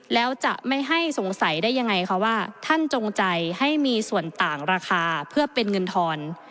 แล้วจะไม่ให้สงสัยได้ยังไงคะว่าท่านจงใจให้มีส่วนต่างราคาเพื่อเป็นเงินทอน